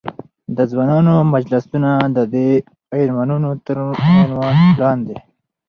د ځوانانو مجلسونه، ددې عنوانونو تر عنوان لاندې.